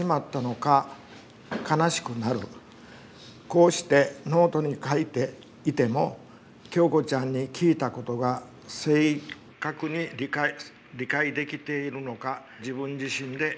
こうしてノートに書いていてもキョウコちゃんに聞いたことが正確に理解できているのか自分自身で心配になる」。